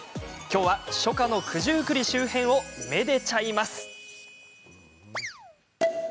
きょうは初夏の九十九里周辺をめでちゃいます。